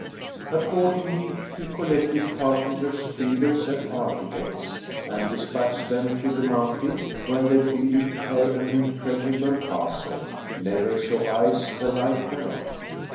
Accordingly he collected carpenters, builders and architects and despatched them to the mountain, where they builded her an impregnable castle, never saw eyes the like thereof.